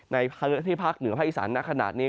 ในพื้นที่ภาคเหนือภาคอีสานนักขนาดนี้